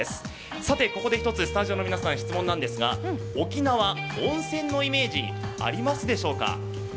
さて、ここで１つスタジオの皆さんに質問なんですが、沖縄、温泉のイメージありますでしょうか？